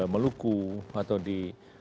meluku atau di